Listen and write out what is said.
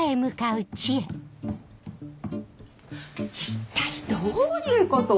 一体どういうこと？